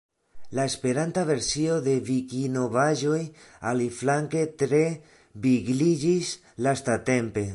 La Esperanta versio de Vikinovaĵoj aliflanke tre vigliĝis lastatampe.